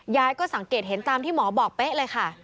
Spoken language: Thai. ยายก็สังเกตเห็นตามที่หมอบอกเป๊ะเลยค่ะ